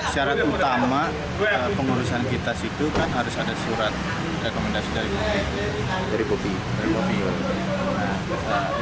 syarat utama pengurusan kitas itu kan harus ada surat rekomendasi dari kopio